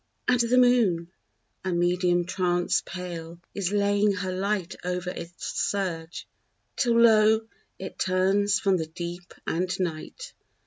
And the moon, a medium Trance pale, is laying her light Over its surge till, lo, It turns from the deep and night.